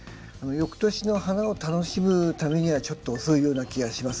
よくとしの花を楽しむためにはちょっと遅いような気がします。